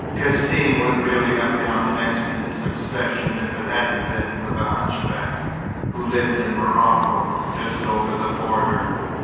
"Cassim would really have come next in succession if it hadn't been for the hunchback, who lived in Morocco, just over the border.